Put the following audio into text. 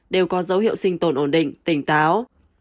đều có dấu hiệu sinh tồn ổn định tỉnh táo